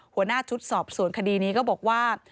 หัวหน้าชุดสอบสวนคดีนี้ก็บอกว่า